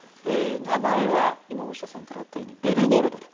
名前は今大下さんからあったように「ベルゴロド」と。